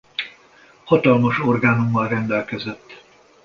Hatalmas orgánummal rendelkezett.